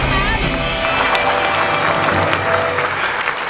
สู้ครับ